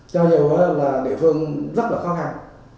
cho nhiều là địa phương rất là khó khăn